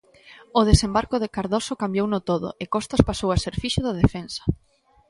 O desembarco de Cardoso cambiouno todo, e Costas pasou a ser fixo da defensa.